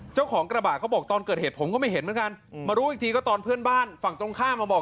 เจ้าของกระบะเขาบอกตอนเกิดเหตุผมก็ไม่เห็นเหมือนกันมารู้อีกทีก็ตอนเพื่อนบ้านฝั่งตรงข้ามมาบอก